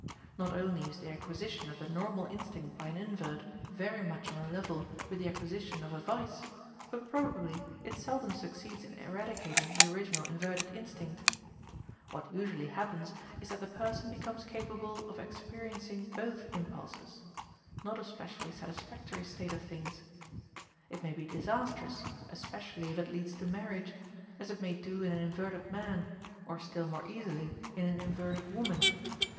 Not only is the acquisition of the normal instinct by an invert very much on a level with the acquisition of a vice, but probably it seldom succeeds in eradicating the original inverted instinct. What usually happens is that the person becomes capable of experiencing both impulses, not a specially satisfactory state of things. It may be disastrous, especially if it leads to marriage, as it may do in an inverted man or still more easily in an inverted woman.